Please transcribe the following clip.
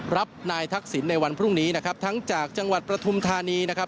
รับนายทักษิณในวันพรุ่งนี้นะครับทั้งจากจังหวัดประทุมธานีนะครับ